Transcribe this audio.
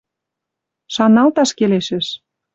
Шаналташ келешӹш.